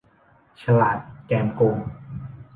ฉลาดแกมโกง